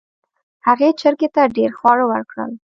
هغې چرګې ته ډیر خواړه ورکړل.